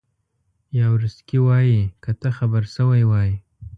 یاورسکي وایي که ته خبر شوی وای.